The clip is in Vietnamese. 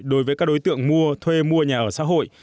đối với các đối tượng mua thuê mua nhà ở xã hội